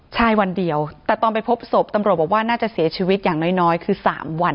ใช่วันเดียวแต่ตอนไปพบศพตำรวจบอกว่าน่าจะเสียชีวิตอย่างน้อยคือ๓วัน